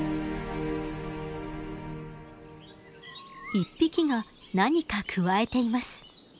１匹が何かくわえています。